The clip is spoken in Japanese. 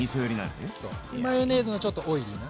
でマヨネーズのちょっとオイリーな。